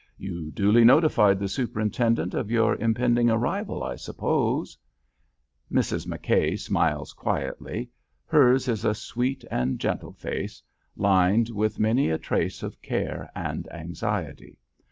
"You duly notified the superintendent of your impending arrival, I suppose?" Mrs. McKay smiles quietly. Hers is a sweet and gentle face, lined with many a trace of care and anxiety.